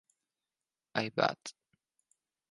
I Bat.